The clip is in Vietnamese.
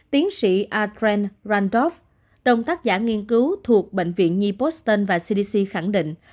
tiến sĩ adrian randolph đồng tác giả nghiên cứu thuộc bệnh viện nhi boston và cdc khẳng định